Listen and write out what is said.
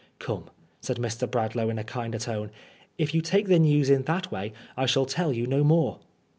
" Come," said Mr. Bradlangh in a kinder tone, " if you take the news in that way I shall tell you no more."